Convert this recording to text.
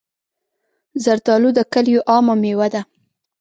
زردالو د کلیو عامه مېوه ده.